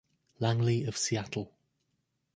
Langley of Seattle.